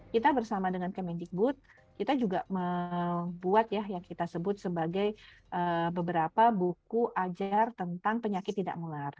kita bersama dengan kemendikbud kita juga membuat ya yang kita sebut sebagai beberapa buku ajar tentang penyakit tidak mular